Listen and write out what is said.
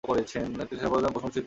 তিনি তার সফলতার জন্য প্রশংসিত হন।